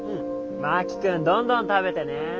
真木君どんどん食べてね。